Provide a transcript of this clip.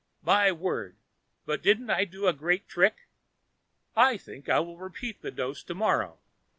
"My word! but didn't I do a great trick? I think I will repeat the dose to morrow.